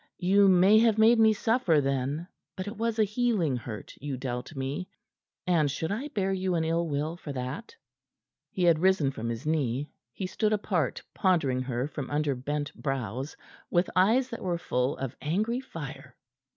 You may have made me suffer then; but it was a healing hurt you dealt me. And should I bear you an ill will for that?" He had risen from his knee. He stood apart, pondering her from under bent brows with eyes that were full of angry fire.